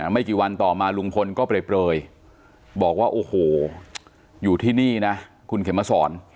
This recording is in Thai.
ไม่กี่วันต่อมาลุงพลก็เปลยบอกว่าโอ้โหอยู่ที่นี่นะคุณเข็มมาสอน